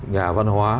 nhà văn hóa